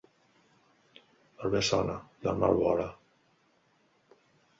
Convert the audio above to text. El bé sona i el mal vola.